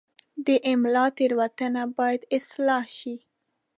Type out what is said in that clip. د املا تېروتنه باید اصلاح شي.